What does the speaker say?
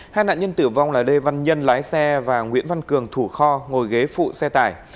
hai nạn nhân tử vong là lê văn nhân lái xe và nguyễn văn cường thủ kho ngồi ghế phụ xe tải